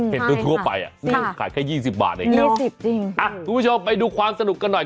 ทั่วไปอ่ะขายแค่๒๐บาทเองอ่ะคุณผู้ชมไปดูความสนุกกันหน่อย